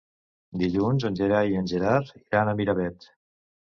Dilluns en Gerai i en Gerard iran a Miravet.